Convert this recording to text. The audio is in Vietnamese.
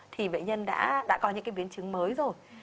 thì bệnh nhân đã có những cái biến chứng mới rồi